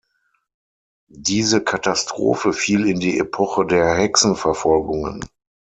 Diese Katastrophe fiel in die Epoche der Hexenverfolgungen.